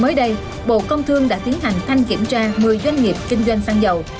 mới đây bộ công thương đã tiến hành thanh kiểm tra một mươi doanh nghiệp kinh doanh xăng dầu